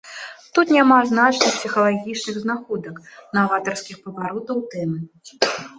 Тут няма значных псіхалагічных знаходак, наватарскіх паваротаў тэмы.